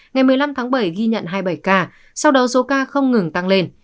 ngày một mươi năm tháng bảy ghi nhận hai mươi bảy ca sau đó số ca không ngừng tăng lên